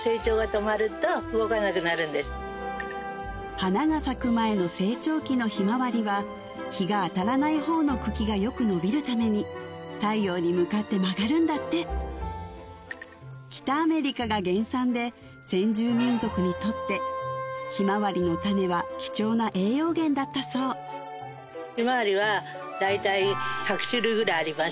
花が咲く前の成長期のヒマワリは日が当たらない方の茎がよく伸びるために太陽に向かって曲がるんだって北アメリカが原産で先住民族にとってヒマワリの種は貴重な栄養源だったそうヒマワリは大体１００種類ぐらいあります